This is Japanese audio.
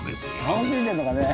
楽しんでるのかね。